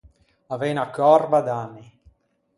Avei unna còrba d’anni.